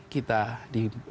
kita di camp di kampus